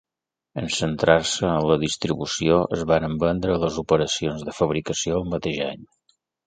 En centrar-se en la distribució, es van vendre les operacions de fabricació el mateix any.